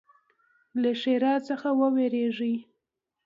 له ښرا څخه ویریږي.